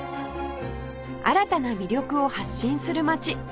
新たな魅力を発信する街